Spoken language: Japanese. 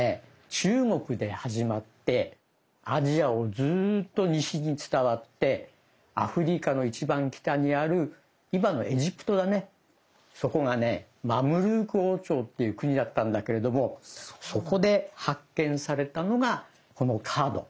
中国で始まってアジアをずっと西に伝わってアフリカの一番北にある今のエジプトだねそこがねマムルーク王朝っていう国だったんだけれどもそこで発見されたのがこのカード。